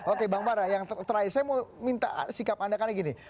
oke bang bara yang terakhir saya mau minta sikap anda karena gini